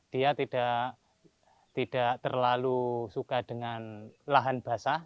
dia tidak terlalu suka dengan lahan basah